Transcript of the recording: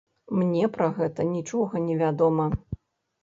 Мне пра гэта нічога не вядома.